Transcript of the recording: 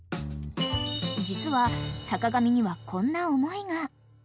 ［実は坂上にはこんな思いが］